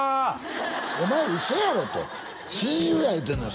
お前嘘やろと親友や言うてんのよ